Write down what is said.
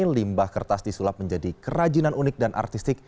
limbah kertas disulap menjadi kerajinan unik dan artistik